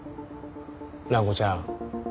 蘭子ちゃん